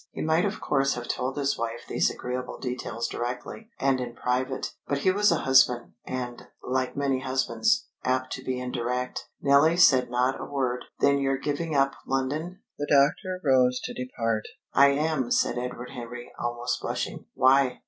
He might of course have told his wife these agreeable details directly, and in private. But he was a husband, and, like many husbands, apt to be indirect. Nellie said not a word. "Then you're giving up London?" The doctor rose to depart. "I am," said Edward Henry, almost blushing. "Why?"